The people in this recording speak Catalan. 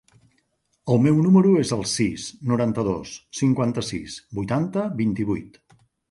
El meu número es el sis, noranta-dos, cinquanta-sis, vuitanta, vint-i-vuit.